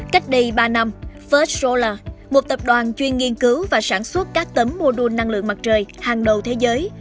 cách đây ba năm fest shola một tập đoàn chuyên nghiên cứu và sản xuất các tấm mô đun năng lượng mặt trời hàng đầu thế giới